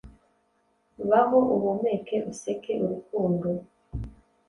baho, uhumeke, useke, urukundo.